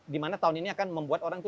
di mana tahun ini akan membuat orang itu